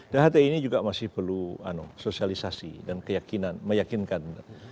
dan hti ini juga masih perlu sosialisasi dan meyakinkan